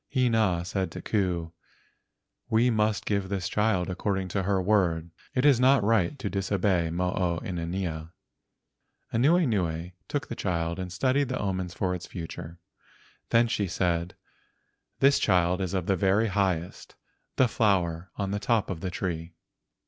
Hina said to Ku: "We must give this child according to her word. It is not right to dis¬ obey Mo o inanea." Anuenue took the child and studied the omens for its future, then she said, "This child is of the very highest, the flower on the top of the tree."